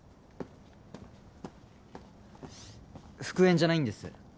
復縁じゃないんです。